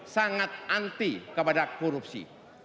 sangat anti kepada korupsi